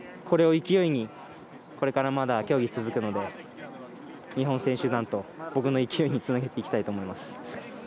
これを勢いにこれからまだ競技が続くので日本選手団と僕の勢いにつなげていきたいと思います。